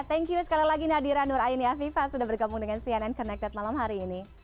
thank you sekali lagi nadira nur aini afifah sudah bergabung dengan cnn connected malam hari ini